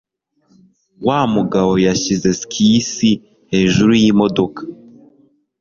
Wa mugabo yashyize skisi hejuru yimodoka.